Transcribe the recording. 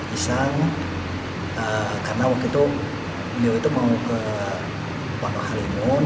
kisah karena waktu itu beliau itu mau ke pondok halimun